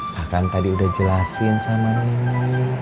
bahkan tadi udah jelasin sama nenek